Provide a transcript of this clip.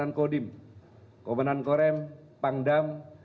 seluruh komandan kodim komandan korem pangdam